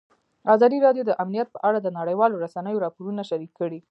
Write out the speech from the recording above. ازادي راډیو د امنیت په اړه د نړیوالو رسنیو راپورونه شریک کړي.